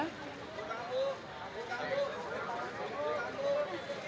tunggu tunggu tunggu